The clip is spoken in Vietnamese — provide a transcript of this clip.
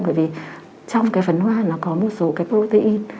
bởi vì trong cái phấn hoa nó có một số cái protein